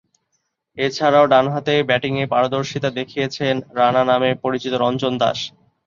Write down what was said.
এছাড়াও, ডানহাতে ব্যাটিংয়ে পারদর্শীতা দেখিয়েছেন ‘রাণা’ নামে পরিচিত রঞ্জন দাস।